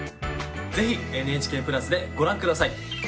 ぜひ「ＮＨＫプラス」でご覧下さい。